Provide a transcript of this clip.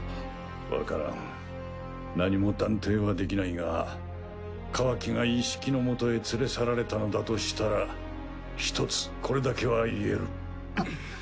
わからん何も断定はできないがカワキがイッシキのもとへ連れ去られたのだとしたら一つこれだけは言える。